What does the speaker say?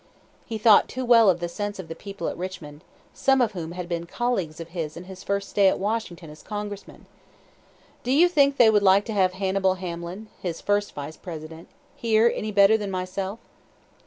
He thought too well of the sense of the "people at Richmond," some of whom had been colleagues of his in his first stay in Washington as congressman. "Do you think that they would like to have Hannibal Hamlin his first vice president here any better than myself?"